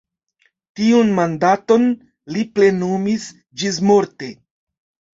Tiun mandaton li plenumis ĝismorte.